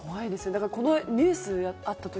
だから、このニュースがあった時